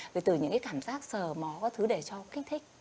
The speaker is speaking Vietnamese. rồi từ những cái cảm giác sờ mó các thứ để cho kích thích